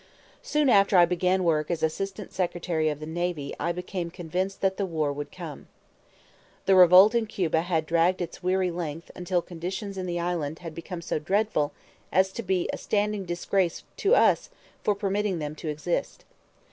Soon after I began work as Assistant Secretary of the Navy I became convinced that the war would come. The revolt in Cuba had dragged its weary length until conditions in the island had become so dreadful as to be a standing disgrace to us for permitting them to exist.